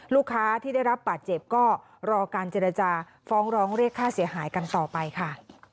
ลูกค้าที่ได้รับบาดเจ็บก็รอการเจรจาฟ้องร้องเรียกค่าเสียหายกันต่อไปค่ะ